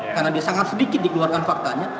karena dia sangat sedikit dikeluarkan faktanya